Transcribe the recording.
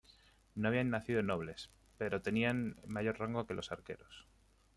No habían nacido nobles, pero tenían mayor rango que los arqueros.